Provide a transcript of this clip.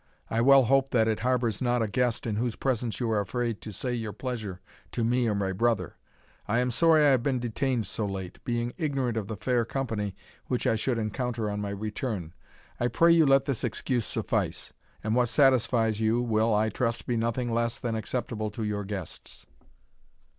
I well hope that it harbours not a guest in whose presence you are afraid to say your pleasure to me or my brother? I am sorry I have been detained so late, being ignorant of the fair company which I should encounter on my return. I pray you let this excuse suffice: and what satisfies you, will, I trust, be nothing less than acceptable to your guests."